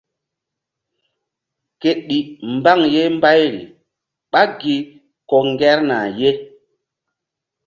Ke ɗi mbaŋ ye mbayri ɓá gi ko ŋgerna ye.